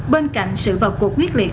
bên cạnh sự vào cuộc quyết liệt